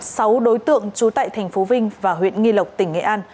sáu đối tượng trú tại thành phố vinh và huyện nghi lộc tỉnh nghệ an